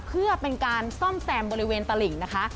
เพื่อเป็นการซ่อมแซมบริเวณตลิ่งนะคะ